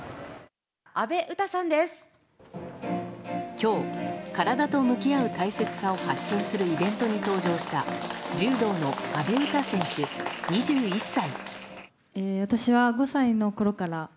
今日、体と向き合う大切さを発信するイベントに登場した柔道の阿部詩選手、２１歳。